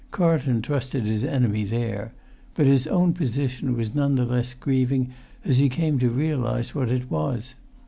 Carlton trusted his enemy there; but his own position was none the less grieving as he came to realise what it was.